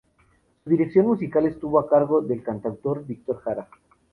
Su dirección musical estuvo a cargo del cantautor Víctor Jara.